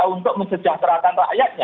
untuk mencejahterakan rakyatnya